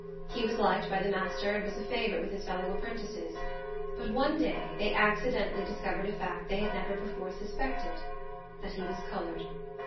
He was liked by the master, and was a favorite with his fellow apprentices; but one day they accidentally discovered a fact they had never before suspected—that he was colored!